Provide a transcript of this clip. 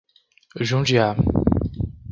Jundiá